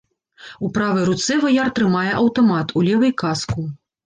У правай руцэ ваяр трымае аўтамат, у левай каску.